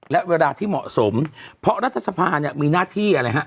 และเวลาที่เหมาะสมเพราะรัฐสภาเนี่ยมีหน้าที่อะไรฮะ